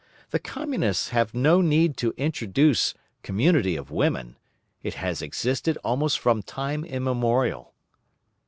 The Communists have no need to introduce community of women; it has existed almost from time immemorial.